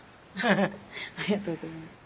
ありがとうございます。